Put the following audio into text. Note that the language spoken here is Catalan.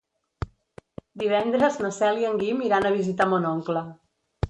Divendres na Cel i en Guim iran a visitar mon oncle.